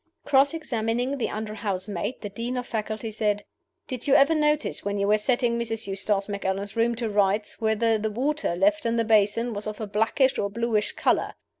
Cross examining the under housemaid, the Dean of Faculty said: "Did you ever notice when you were setting Mrs. Eustace Macallan's room to rights whether the water left in the basin was of a blackish or bluish color?"